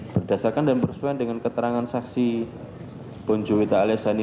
berdasarkan dan bersuai dengan keterangan saksi